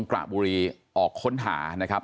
กระบุรีออกค้นหานะครับ